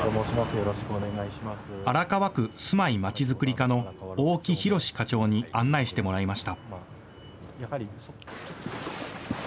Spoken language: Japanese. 荒川区住まい街づくり課の大木浩課長に案内してもらいました。